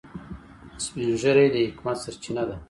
سپین ږیری د حکمت سرچینه ده